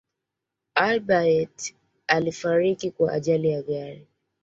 albert alifariki kwa ajari ya gari